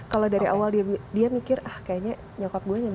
kalau dari awal dia mikir ah kayaknya nyokap gue nyanyi